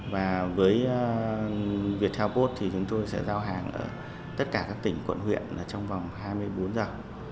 với việt theo post chúng tôi sẽ giao hàng ở tất cả các tỉnh quận huyện trong vòng hai mươi bốn giờ